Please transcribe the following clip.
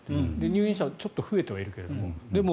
入院者がちょっと増えてはいるけれども。